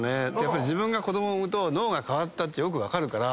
自分が子供産むと脳が変わったってよく分かるから。